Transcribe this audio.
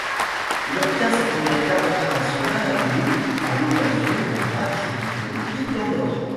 Il obtient sa première cape internationale le à l’occasion d’un match contre l'équipe d'Andorre.